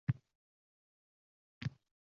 Davangirday odam bir haftada cho`kdi-qoldi